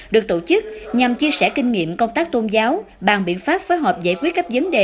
được tổ chức nhằm chia sẻ kinh nghiệm công tác tôn giáo bằng biện pháp phối hợp giải quyết các vấn đề